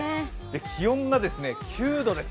気温が９度です。